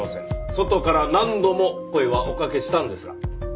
外から何度も声はおかけしたんですが。